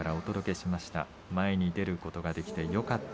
前に出ることができてよかった。